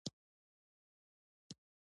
د ټولنیزو بدلونونو مخکښان ځوانان دي.